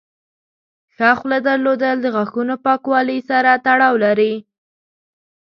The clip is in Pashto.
ښه خوله درلودل د غاښونو پاکوالي سره تړاو لري.